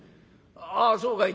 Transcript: あそうかい。